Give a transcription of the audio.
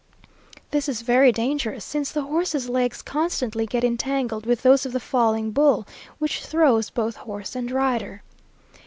This is very dangerous, since the horses' legs constantly get entangled with those of the falling bull, which throws both horse and rider.